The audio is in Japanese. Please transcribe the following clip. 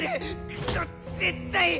クソッ絶対！